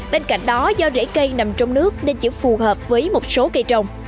bên cạnh đó do rễ cây nằm trong nước nên chỉ phù hợp với một số cây trồng